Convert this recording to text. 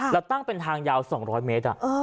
แล้วตั้งเป็นทางยาว๒๐๐เมตร